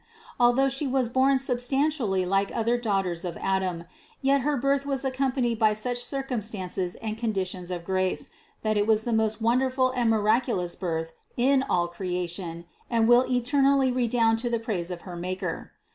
Although She was born substantially like other daughters of Adam, yet her birth was accompanied by such circumstances and condi tions of grace, that it was the most wonderful and mi raculous birth in all creation and will eternally redound to the praise of her Maker.